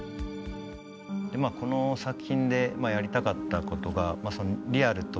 でまぁこの作品でやりたかったことがリアルとバーチャル。